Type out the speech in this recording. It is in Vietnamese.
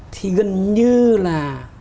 thì gần như là